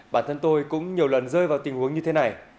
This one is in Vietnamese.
bản thân tôi cũng nhiều lần rơi vào tình huống như thế này